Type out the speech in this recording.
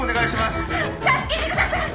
助けてください！